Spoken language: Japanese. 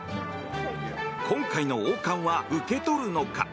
今回の王冠は受け取るのか？